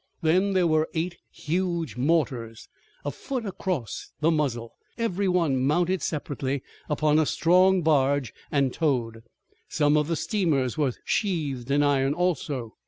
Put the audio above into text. Then there were eight huge mortars, a foot across the muzzle, every one mounted separately upon a strong barge and towed. Some of the steamers were sheathed in iron also.